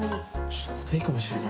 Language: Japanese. ちょうどいいかもしれない。